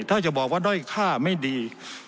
ถ้าจะบอกว่าด้อยค่าไม่ดี